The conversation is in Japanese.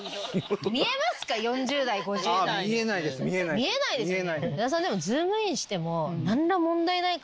見えないですよね？